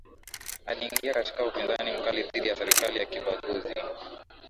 aliingia katika upinzani mkali dhidi ya serikali ya kibaguzi